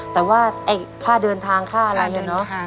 แต่ว่าค่าเดินทางค่าอะไรเนี่ยเนอะ